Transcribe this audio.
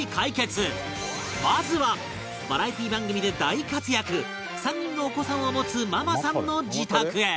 まずはバラエティー番組で大活躍３人のお子さんを持つママさんの自宅へ